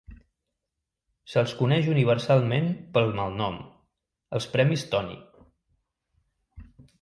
Se'ls coneix universalment pel malnom, els premis Tony.